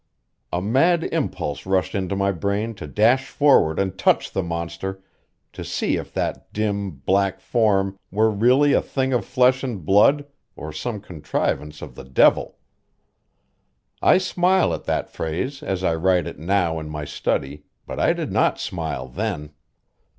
A mad impulse rushed into my brain to dash forward and touch the monster, to see if that dim, black form were really a thing of flesh and blood or some contrivance of the devil. I smile at that phrase as I write it now in my study, but I did not smile then.